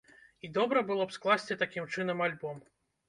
І добра было б скласці такім чынам альбом.